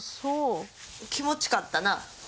気持ち良かったな。